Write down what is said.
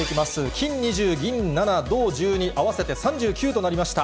金２０、銀７、銅１２、合わせて３９となりました。